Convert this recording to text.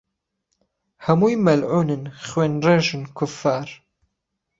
ههموی مهلعوونن خوێن ڕیژن کوففار